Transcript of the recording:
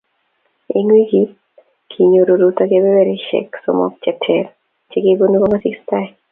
Eng wikini, kinyor Ruto kaberberishek somok che ter che kibunu kongasis tai